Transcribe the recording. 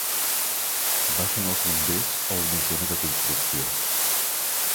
Baixen els bombers a una zona de construcció.